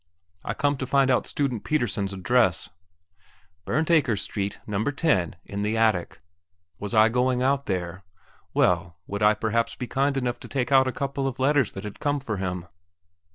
"I come to find out Student Pettersen's address!" "Bernt Akers Street, No. 10, in the attic." Was I going out there? Well, would I perhaps be kind enough to take out a couple of letters that had come for him?